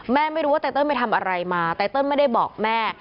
ไม่รู้ว่าไตเติลไปทำอะไรมาไตเติลไม่ได้บอกแม่